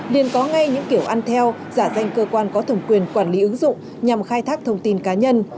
liên có ngay những kiểu ăn theo giả danh cơ quan có thẩm quyền quản lý ứng dụng nhằm khai thác thông tin cá nhân